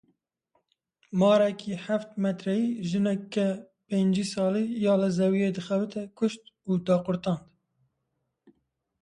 Marê heft metreyî jineke pêncî salî ya li zeviyê dixebitî kuşt û daqurtand!